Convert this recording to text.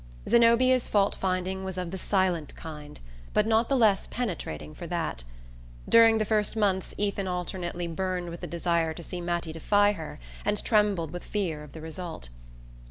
Zenobia's fault finding was of the silent kind, but not the less penetrating for that. During the first months Ethan alternately burned with the desire to see Mattie defy her and trembled with fear of the result.